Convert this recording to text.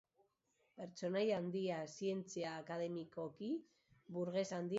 Pertsonai handia, zientzia akademiakide, burges handia zen.